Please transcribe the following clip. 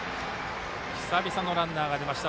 久々のランナーが出ました。